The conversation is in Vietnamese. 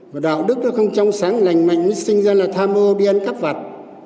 và đạo đức nó không trong sáng lành mạnh mới sinh ra là tham ô đi ăn cắp vặt